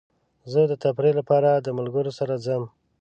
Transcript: زه د تفریح لپاره د ملګرو سره ځم.